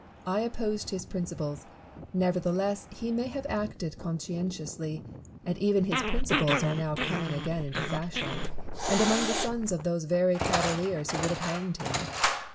I opposed his principles ; nevertheless he may have acted con scientiously ; and even his principles are now coming again into fashion, and among the sons of those very cavaliers who would have hanged him.